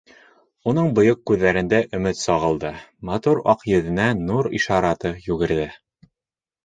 Уның бойоҡ күҙҙәрендә өмөт сағылды, матур аҡ йөҙөнә нур ишараты йүгерҙе.